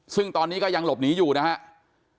ซึ่งตอนนี้ก็ยังหลบหนีอยู่นะครับ